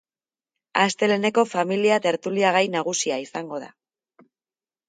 Asteleheneko familia tertulia gai nagusia izango da.